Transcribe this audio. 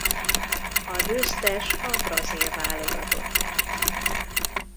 A győztes a brazil válogatott lett.